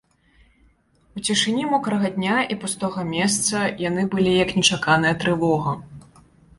У цішыні мокрага дня і пустога месца яны былі як нечаканая трывога.